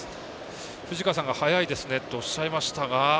藤川さんが早いですねとおっしゃいましたが。